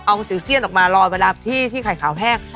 เอาสิวเซียนออกมารอเวลาที่ไข่ขาวแห้ง